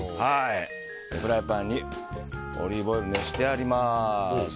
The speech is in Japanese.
フライパンにオリーブオイルを熱してあります。